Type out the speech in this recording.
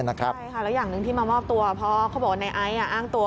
ใช่ค่ะแล้วอย่างหนึ่งที่มามอบตัวเพราะเขาบอกว่าในไอซ์อ้างตัว